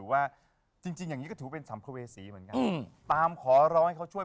สัมพเวศีเนี่ยต้องไหว้ข้างนอกตรงทางสามแพงหรือว่าบริเวณถนนไหว้หน้าบ้านยังไม่มาไหว้เลย